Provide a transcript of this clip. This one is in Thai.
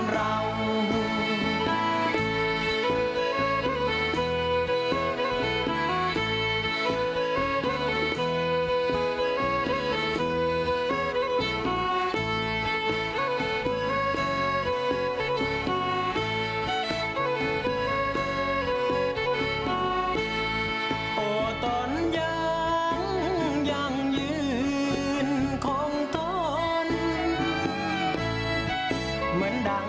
เหมือนน้ำตาชาวตายที่ไหลร่วงริน